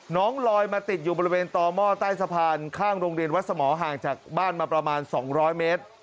น้องลอยมาติดอยู่บริเวณต่อหม้อใต้สะพานข้างโรงเรียนวัดสมห่างจากบ้านมาประมาณ๒๐๐เมตร